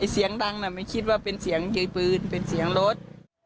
เสียงดังไม่คิดว่าเป็นเสียงยายปืนเป็นเสียงรถ